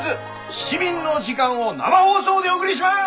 「市民の時間」を生放送でお送りします！